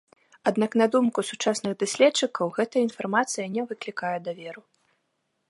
Аднак на думку сучасных даследчыкаў гэтая інфармацыя не выклікае даверу.